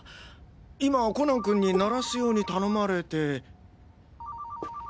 今コナン君に鳴らすように頼まれて。